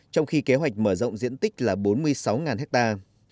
trong khi kế hoạch mở rộng diện tích là bốn mươi sáu hectare